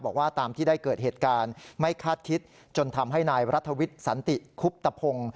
บอกว่าตามที่ได้เกิดเหตุการณ์ไม่คาดคิดจนทำให้นายรัฐวิทย์สันติคุบตะพงศ์